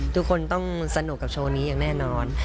ทุกคนต้องสนุกกับโชว์นี้อย่างแน่นอน